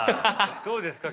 どうですか？